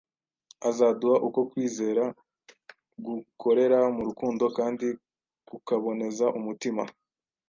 azaduha uko kwizera gukorera mu rukundo kandi kukaboneza umutima.